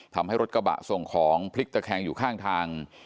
ทำให้รถกระบะส่งของพลิกตะแคงอยู่ข้างทาง